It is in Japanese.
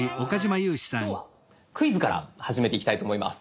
今日はクイズから始めていきたいと思います。